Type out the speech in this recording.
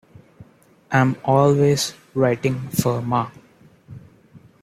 I'm always writing for Ma.